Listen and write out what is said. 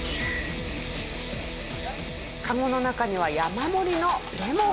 カゴの中には山盛りのレモン。